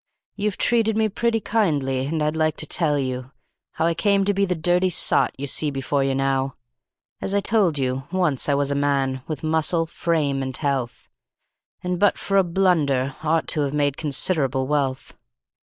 "You've treated me pretty kindly and I'd like to tell you how I came to be the dirty sot you see before you now. As I told you, once I was a man, with muscle, frame, and health, And but for a blunder ought to have made considerable wealth.